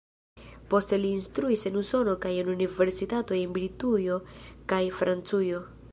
Poste li instruis en Usono kaj en universitatoj en Britujo kaj Francujo.